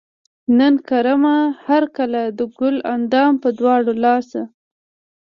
نن کړمه هر کلے د ګل اندام پۀ دواړه لاسه